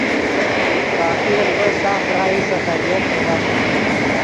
باقی البت ساف ڤرائی سے خیریت فرمف۔